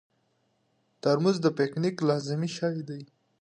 ترموز د پکنیک لازمي شی دی.